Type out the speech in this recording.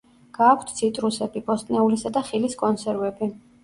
გააქვთ ციტრუსები, ბოსტნეულისა და ხილის კონსერვები.